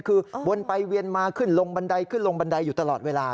คือวนไปเวียนมาขึ้นลงบันไดขึ้นลงบันไดอยู่ตลอดเวลา